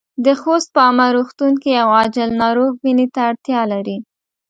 د خوست په عامه روغتون کې يو عاجل ناروغ وينې ته اړتیا لري.